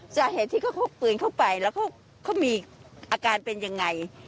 สาเหตุที่เขาพกปืนเข้าไปแล้วเขามีอาการเป็นยังไง